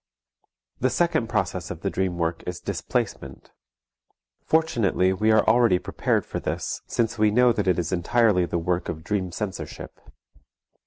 The second process of the dream work is displacement. Fortunately we are already prepared for this, since we know that it is entirely the work of dream censorship.